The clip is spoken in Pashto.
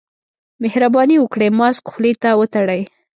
مهرباني وکړئ، ماسک خولې ته وتړئ.